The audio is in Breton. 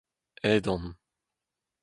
Aet on.